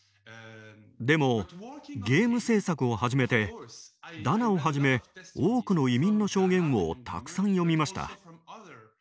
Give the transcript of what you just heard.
でもゲーム制作を始めてダナをはじめ多くの移民の証言をたくさん読みました。